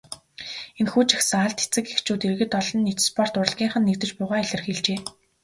Энэхүү жагсаалд эцэг эхчүүд, иргэд олон нийт, спорт, урлагийнхан нэгдэж буйгаа илэрхийлжээ.